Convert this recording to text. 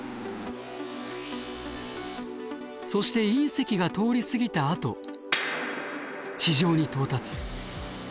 そして隕石が通り過ぎたあと地上に到達。